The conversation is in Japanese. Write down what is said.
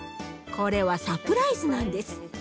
これはサプライズなんです。